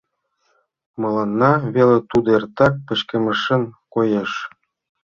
Мыланна веле тудо эртак пычкемышын коеш...